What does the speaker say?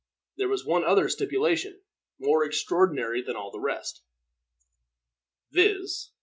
There was one other stipulation, more extraordinary than all the rest, viz.